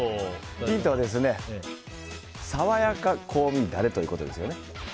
ヒントは、さわやか香味ダレということですよね。